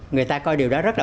người ta coi điều đó rất là